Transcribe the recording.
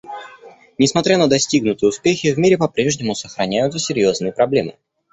Несмотря на достигнутые успехи, в мире по-прежнему сохраняются серьезные проблемы.